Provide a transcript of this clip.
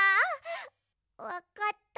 わかった？